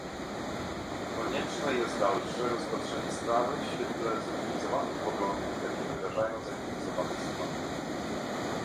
Konieczne jest dalsze rozpatrzenie sprawy z świetle zróżnicowanych poglądów, jakie wyrażają zainteresowane strony